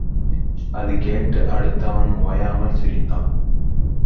அது கேட்டு, அடுத்தவன் ஓயாமல் சிரித்தான்.